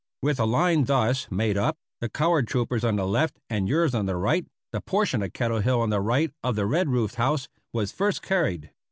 With a line thus made up, the colored troopers on the left and yours on the right, the portion of Kettle Hill on the right of the red roofed house was first carried.